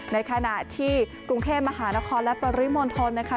ในขณะที่กรุงเทพมหานครและปริมณฑลนะคะ